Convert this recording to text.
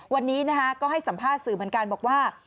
วันนี้ก็ให้สัมภาษณ์สื่อเหมือนกันบอกว่า